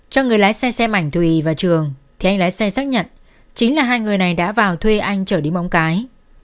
cho người lái xe xem ảnh thùy và trường thì anh lái xe xác nhận chính là hai người này đã vào thuê anh chở đi bóng cãi